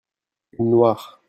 une noire.